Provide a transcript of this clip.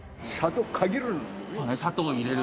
砂糖を入れる。